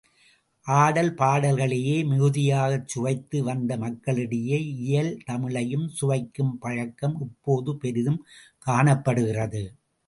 ஆடல் பாடல்களையே மிகுதியாகச் சுவைத்து வந்த மக்களிடையே, இயல் தமிழையும் சுவைக்கும் பழக்கம் இப்போது பெரிதும் காணப்படுகிறது.